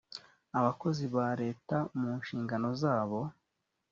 abakozi ba leta mu nshingano zabo